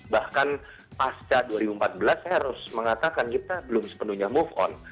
bahkan pasca dua ribu empat belas saya harus mengatakan kita belum sepenuhnya move on